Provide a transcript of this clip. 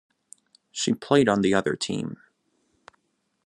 She played on the other team.